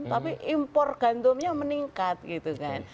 tapi impor gandumnya meningkat gitu kan